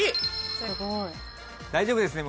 大丈夫ですね？